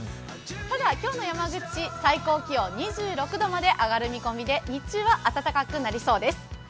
ただ、今日の山口市、最高気温２６度まで上がる見込みで日中はあたかかくなりそうです。